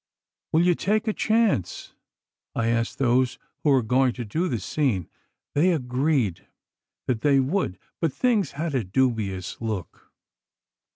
'Will you take a chance?' I asked those who were going to do the scene. They agreed that they would, but things had a dubious look.